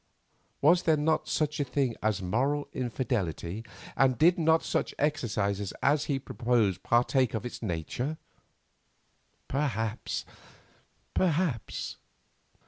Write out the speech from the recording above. Was there not such a thing as moral infidelity, and did not such exercises as he proposed partake of its nature? Perhaps, perhaps.